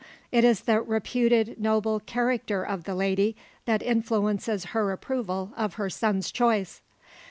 It is the reputed noble character of the lady that influences her approval of her son's choice.